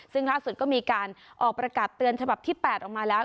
ซึ่งล่าสุดก็มีการออกประกาศเตือนฉบับที่๘ออกมาแล้ว